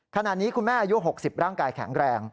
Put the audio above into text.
ขณะนี้คุณแม่อายุ๖๐ร่างกายแข็งแรง